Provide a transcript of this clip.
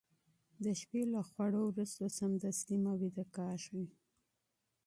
د شپې له خوړو وروسته سمدستي مه ويده کېږه